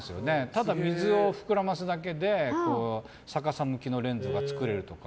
ただ水を膨らますだけで逆さ向きのレンズが作れるとか。